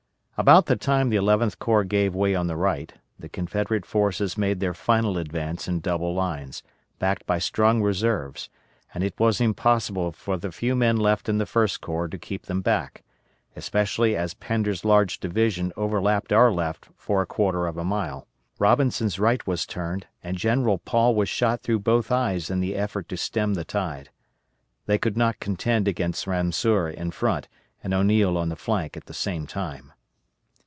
About the time the Eleventh Corps gave way on the right, the Confederate forces made their final advance in double lines, backed by strong reserves, and it was impossible for the few men left in the First Corps to keep them back, especially as Pender's large division overlapped our left for a quarter of a mile; Robinson's right was turned, and General Paul was shot through both eyes in the effort to stem the tide. They could not contend against Ramseur in front, and O'Neill on the flank, at the same time.